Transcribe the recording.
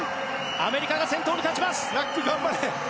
アメリカが先頭に立ちます。